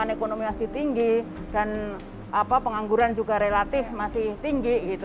karena ekonomi masih tinggi dan pengangguran juga relatif masih tinggi